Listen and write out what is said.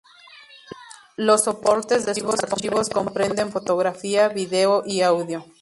Los soportes de sus archivos comprenden fotografía, video y audio.